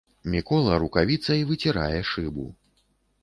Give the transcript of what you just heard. Мікола рукавіцай выцірае шыбу.